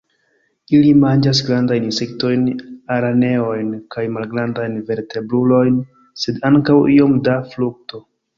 Ili manĝas grandajn insektojn, araneojn kaj malgrandajn vertebrulojn, sed ankaŭ iom da frukto.